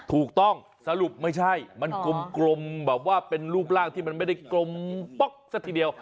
ถูกต้องสรุปไม่ใช่มันกลมแบบว่าเป็นรูปร่างที่มันไม่ได้กลมป๊อกซะทีเดียว